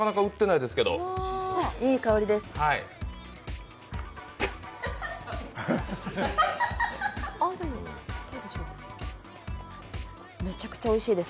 いい香りです。